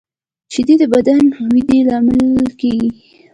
شیدې د بدن د ودې لامل کېږي